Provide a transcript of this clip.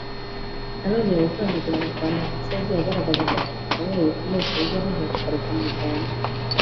ntarongera gukandagira mu Rwanda ndetse yagiye agaragaza ko afite ibikomere bikomeye kuburyo yananiwe kugaruka mu Rwanda